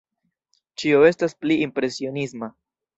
Ĉio estas pli impresionisma.